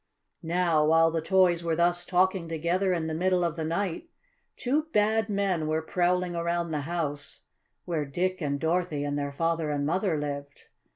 Now, while the toys were thus talking together in the middle of the night, two bad men were prowling around the house where Dick and Dorothy and their father and mother lived.